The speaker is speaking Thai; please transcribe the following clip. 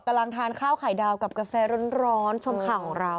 กำลังทานข้าวไข่ดาวกับกาแฟร้อนชมข่าวของเรา